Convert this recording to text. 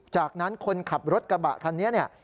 จากนั้นคนขับรถกระบะคันนี้เนี่ย